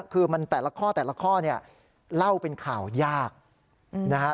คือแต่ละข้อเนี่ยเล่าเป็นข่าวยากนะครับ